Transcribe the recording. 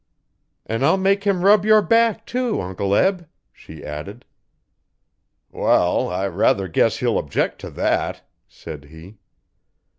'An' I'll make him rub your back, too, Uncle Eb,' she added. 'Wall, I rather guess he'll object to that,' said he.